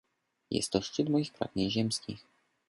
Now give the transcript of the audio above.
Jest to szczyt moich pragnień ziemskich.